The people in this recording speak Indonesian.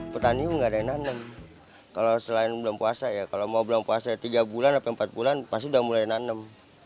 petani nggak ada yang nanem kalau selain belum puasa ya kalau mau belum puasa tiga bulan atau empat bulan pasti udah mulai nanem